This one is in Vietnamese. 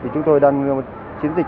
chúng tôi đang chiến dịch